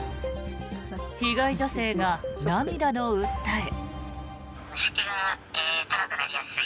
被害女性が涙の訴え。